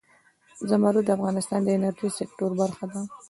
زمرد د افغانستان د انرژۍ سکتور برخه ده.